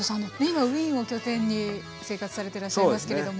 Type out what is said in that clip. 今ウィーンを拠点に生活されてらっしゃいますけれども。